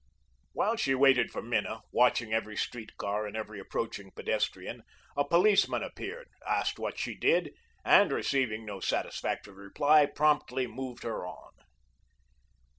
While she waited for Minna, watching every street car and every approaching pedestrian, a policeman appeared, asked what she did, and, receiving no satisfactory reply, promptly moved her on.